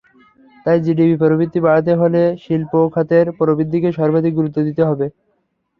তাই জিডিপি প্রবৃদ্ধি বাড়াতে হলে শিল্প খাতের প্রবৃদ্ধিকেই সর্বাধিক গুরুত্ব দিতে হবে।